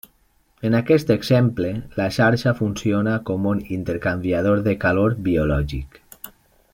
En aquest exemple la xarxa funciona com un intercanviador de calor biològic.